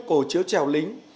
của chiếu trèo lính